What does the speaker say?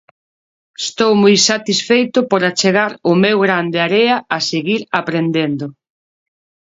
Estou moi satisfeito por achegar o meu gran de area e seguir aprendendo.